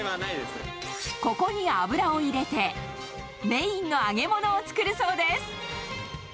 ここに油を入れて、メインの揚げ物を作るそうです。